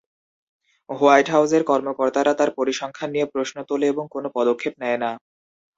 White হাউসের কর্মকর্তারা তার পরিসংখ্যান নিয়ে প্রশ্ন তোলে এবং কোন পদক্ষেপ নেয় না।